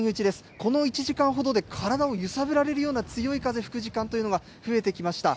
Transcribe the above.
この１時間ほどで、体を揺さぶられるような強い風、吹く時間というのが増えてきました。